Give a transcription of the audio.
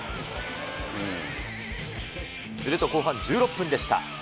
すると後半１６分でした。